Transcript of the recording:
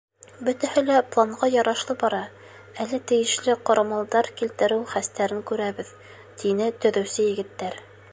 — Бөтәһе лә планға ярашлы бара, әле тейешле ҡорамалдар килтереү хәстәрен күрәбеҙ, — тине төҙөүсе егеттәр.